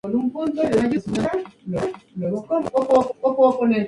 Toma un determinado número de especies presentes en el hábitat y su abundancia relativa.